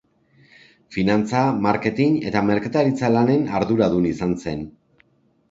Finantza-, marketin- eta merkataritza-lanen arduradun izan zen.